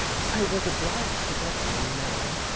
" I was obliged to get one, you know.